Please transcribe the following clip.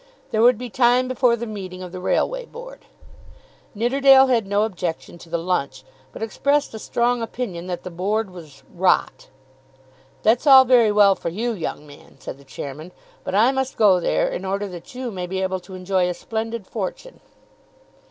There would be time before the meeting of the Railway Board. Nidderdale had no objection to the lunch, but expressed a strong opinion that the Board was "rot." "That's all very well for you, young man," said the chairman, "but I must go there in order that you may be able to enjoy a splendid fortune."